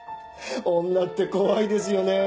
女って怖いですよね